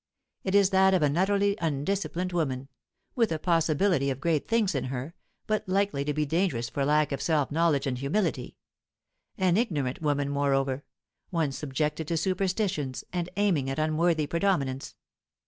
It is that of an utterly undisciplined woman, with a possibility of great things in her, but likely to be dangerous for lack of self knowledge and humility; an ignorant woman, moreover; one subjected to superstitions, and aiming at unworthy predominance.